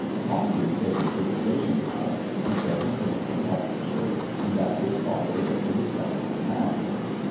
Upon being taken to the station house, he said he came from Hert fordshire, and that his father was a respectable man.